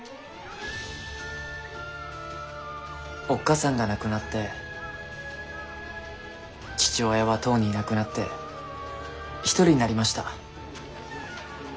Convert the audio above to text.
おっかさんが亡くなって父親はとうにいなくなって一人になりました。